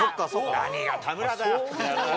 何が田村だよ。